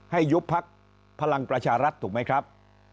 ยุบพักพลังประชารัฐถูกไหมครับ